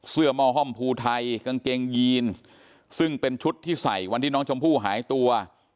หม้อห้อมภูไทยกางเกงยีนซึ่งเป็นชุดที่ใส่วันที่น้องชมพู่หายตัว